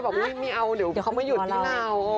อุ๊ยไม่เอาเดี๋ยวเขามาหยุดที่เรา